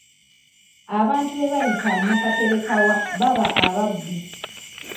Abantu be bayita nakaterekawa baba ababbi.